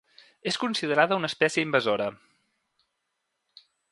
És considerada una espècie invasora.